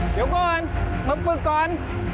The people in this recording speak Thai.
เดี๋ยวก่อนมาฝึกก่อน